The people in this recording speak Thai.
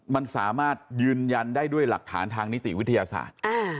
มันสามารถยืนยันได้ด้วยหลักฐานทางนิติวิทยาศาสตร์